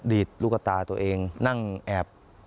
ดีดลูกตาตัวเองนั่งแอบ